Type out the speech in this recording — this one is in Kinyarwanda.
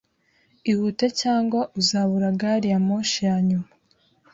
Ihute, cyangwa uzabura gari ya moshi ya nyuma.